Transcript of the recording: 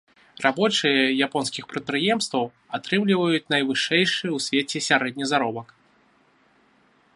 Рабочыя японскіх прадпрыемстваў атрымліваюць найвышэйшы ў свеце сярэдні заробак.